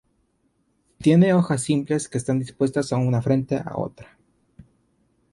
Tiene hojas simples que están dispuestas una frente a otra.